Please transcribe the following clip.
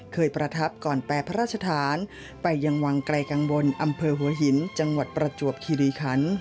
เคยประทับก่อนแปพระราชธานไปอย่างวังไกลกลางบนอำเภอหัวหินจังหวัดประจวบขีดีคัน